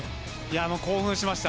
興奮しました。